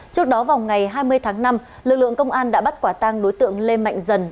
trước đó vào ngày hai mươi tháng năm lực lượng công an đã bắt quả tang đối tượng lê mạnh dần